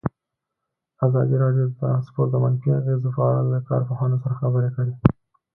ازادي راډیو د ترانسپورټ د منفي اغېزو په اړه له کارپوهانو سره خبرې کړي.